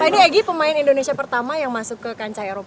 ini egy pemain indonesia pertama yang masuk ke kancah eropa